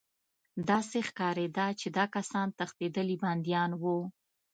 داسې ښکارېده چې دا کسان تښتېدلي بندیان وو